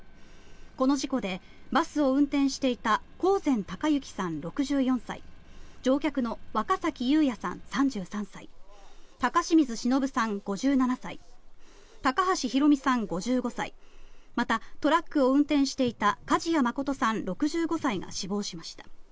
この事故でバスを運転していた興膳孝幸さん、６４歳乗客の若崎友哉さん、３３歳高清水忍さん、５７歳高橋裕美さん、５５歳また、トラックを運転していた梶谷誠さん、６５歳が死亡しました。